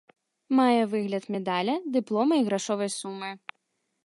Мае выгляд медаля, дыплома і грашовай сумы.